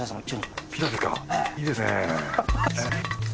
いいですね。